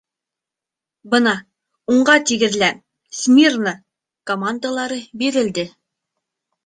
Бына: «Уңға, тигеҙлән!», «Смирно!» командалары бирелде.